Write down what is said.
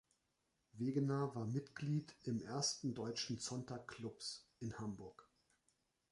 Wegener war Mitglied im ersten deutschen Zonta-Clubs in Hamburg.